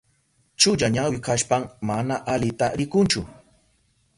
Chulla ñawi kashpan mana alita rikunchu.